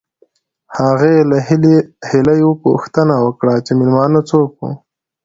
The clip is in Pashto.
هغې له هیلې پوښتنه وکړه چې مېلمانه څوک وو